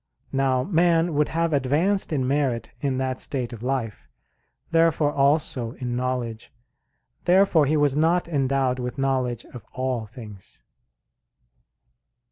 Now man would have advanced in merit in that state of life; therefore also in knowledge. Therefore he was not endowed with knowledge of all things.